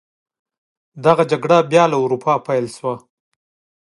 دغه جګړه بیا له اروپا څخه پیل شوه.